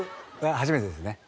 初めてです。